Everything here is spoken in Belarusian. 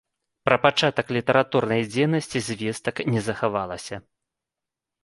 Пра пачатак літаратурнай дзейнасці звестак не захавалася.